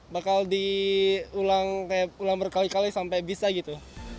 bakal diulang kayak ulang berkali kali sampai bisa gitu